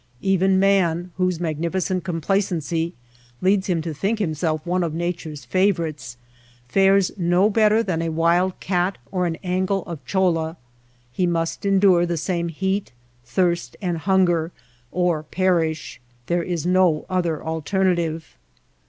Even man, whose magnificent complacency leads him to think himself one of Nature^s favorites, fares no better than a wild cat or an angle of choUa. He must endure the same heat, thirst, and hunger or perish. There is no other alter native.